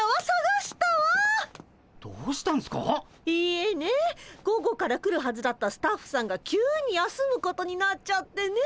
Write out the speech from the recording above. いえね午後から来るはずだったスタッフさんが急に休むことになっちゃってね。